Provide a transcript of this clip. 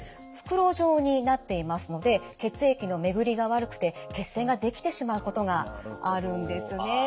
袋状になっていますので血液の巡りが悪くて血栓ができてしまうことがあるんですね。